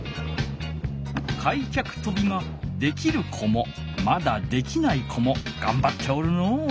開脚とびができる子もまだできない子もがんばっておるのう。